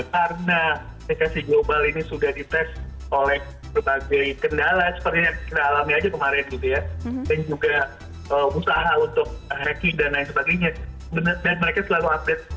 karena aplikasi global ini sudah dites oleh berbagai kendala seperti yang kita alami aja kemarin gitu ya